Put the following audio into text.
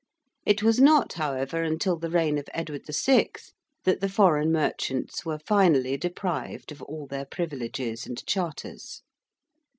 It was not, however, until the reign of Edward VI. that the foreign merchants were finally deprived of all their privileges and charters.